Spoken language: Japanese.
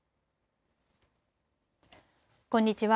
こんにちは。